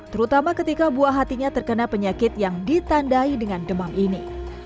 terutama ketika buah hatinya terkena penyakit yang ditandai dengan demam ini